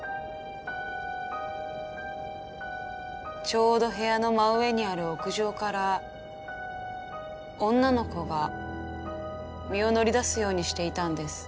ちょうど部屋の真上にある屋上から女の子が身を乗り出すようにしていたんです。